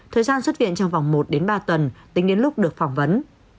thời gian xuất viện trong vòng một đến ba tuần tính đến lúc được phỏng vấn